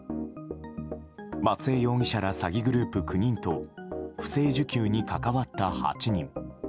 松江容疑者ら詐欺グループ９人と不正受給に関わった８人。